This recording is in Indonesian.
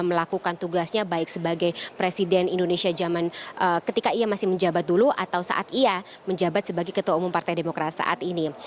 melakukan tugasnya baik sebagai presiden indonesia zaman ketika ia masih menjabat dulu atau saat ia menjabat sebagai ketua umum partai demokrat saat ini